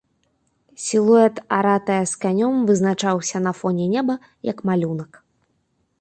Сілуэт аратая з канём вызначаўся на фоне неба, як малюнак.